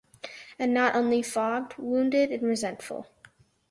And not only fogged — wounded and resentful.